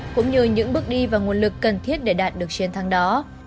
cũng như những bước đi và nguồn lực cần thiết để đạt được chiến thắng đó